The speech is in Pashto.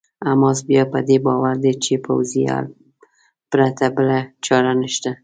حماس بیا په دې باور دی چې پوځي حل پرته بله چاره نشته.